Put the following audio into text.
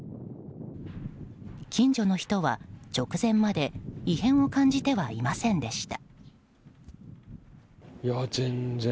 近所の人は直前まで異変を感じてはいませんでした。